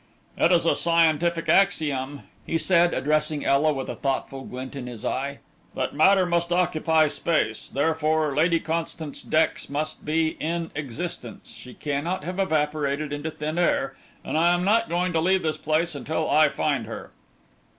"It is a scientific axiom," he said, addressing Ela with a thoughtful glint in his eye, "that matter must occupy space, therefore Lady Constance Dex must be in existence, she cannot have evaporated into thin air, and I am not going to leave this place until I find her."